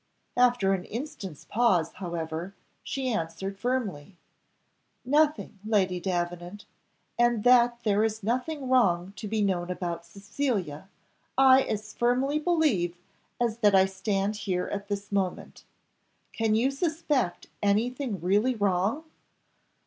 After an instant's pause, however, she answered firmly, "Nothing, Lady Davenant, and that there is nothing wrong to be known about Cecilia, I as firmly believe as that I stand here at this moment. Can you suspect anything really wrong?"